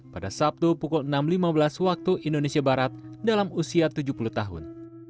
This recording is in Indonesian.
pada sabtu pukul enam lima belas waktu indonesia barat dalam usia tujuh puluh tahun